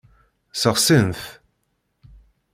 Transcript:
Ssexsin-t.